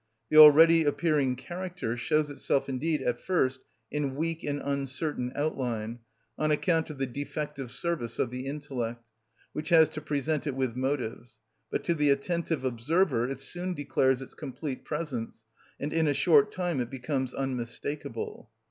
The already appearing character shows itself indeed at first in weak and uncertain outline, on account of the defective service of the intellect, which has to present it with motives; but to the attentive observer it soon declares its complete presence, and in a short time it becomes unmistakable.